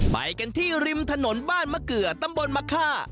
ไปกันที่ริมถนนบ้านมะเกลือตำบลมะค่า